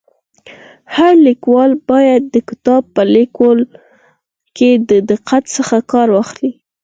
هر لیکوال باید د کتاب په ليکلو کي د دقت څخه کار واخلي.